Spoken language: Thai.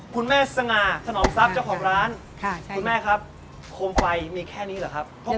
คุณแม่สง่าถนอมทรัพย์เจ้าของร้านคุณแม่ครับโคมไฟมีแค่นี้เหรอครับ